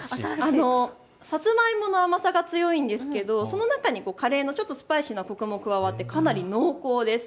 さつまいもの甘さが強いんですけど、その中にカレーのスパイシーなコクも加わってかなり濃厚です。